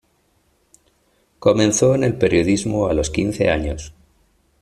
Comenzó en el periodismo a los quince años.